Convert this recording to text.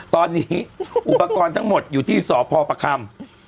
ตอนนี้อุปกรณ์ทั้งหมดอยู่ที่สพประคำ